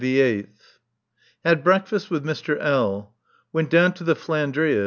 _] Had breakfast with Mr. L. Went down to the "Flandria."